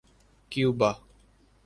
Cuba